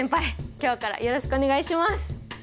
今日からよろしくお願いします！